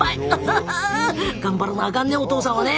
頑張らなあかんねお父さんはね。